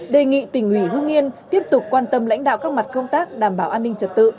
đề nghị tỉnh ủy hương yên tiếp tục quan tâm lãnh đạo các mặt công tác đảm bảo an ninh trật tự